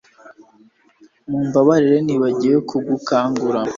Mumbabarire nibagiwe kugukangura